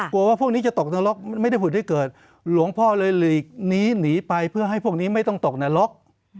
ว่าพวกนี้จะตกนรกไม่ได้ผุดให้เกิดหลวงพ่อเลยหลีกนี้หนีไปเพื่อให้พวกนี้ไม่ต้องตกนรก